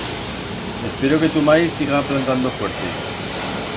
Espero que tu mai siga plantando fuerte.